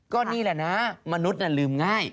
ก็นี่แหละนะมนุษย์ลืมง่าย